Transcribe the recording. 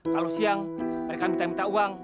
kalau siang mereka minta minta uang